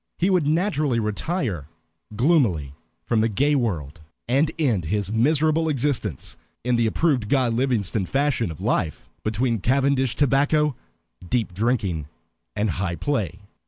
He would naturally retire gloomily from the gay world, and end his miserable existence in the approved Guy Livingstone fashion of life, between cavendish tobacco, deep drinking, and high play.